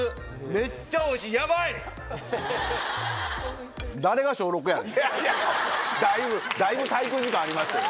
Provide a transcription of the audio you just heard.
めっちゃおいしいヤバい！だいぶ滞空時間ありましたよ